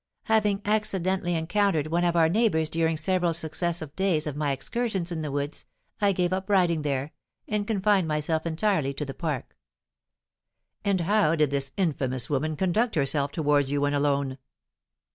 "Having accidentally encountered one of our neighbours during several successive days of my excursions in the woods, I gave up riding there, and confined myself entirely to the park." "And how did this infamous woman conduct herself towards you when alone?"